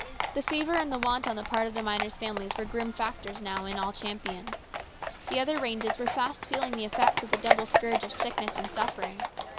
The fever and the want on the part of the miners' families were grim factors now in all Champion. The other ranges were fast feeling the effects of the double scourge of sickness and suffering.